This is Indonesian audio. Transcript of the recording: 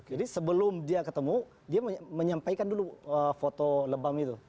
jadi sebelum dia ketemu dia menyampaikan dulu foto lebam itu